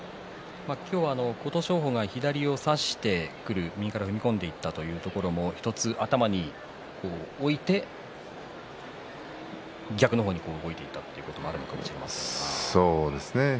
琴勝峰が左を差してくる右から踏み込んでいたというところも１つ頭に置いて逆の方に動いていったというのもあるかもしれません。